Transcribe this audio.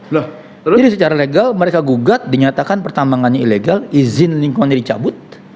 jadi secara legal mereka gugat dinyatakan pertambangannya ilegal izin lingkungannya dicabut